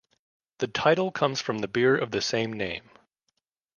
The title comes from the beer of the same name.